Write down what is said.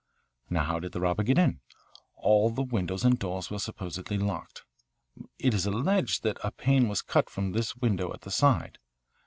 "Now, how did the robber get in? All the windows and doors were supposedly locked. It is alleged that a pane was cut from this window at the side.